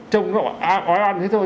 trông nó oan oan thế thôi